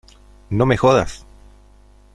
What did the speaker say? no me jodas.